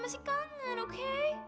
masih kangen oke